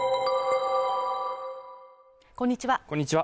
こんにちは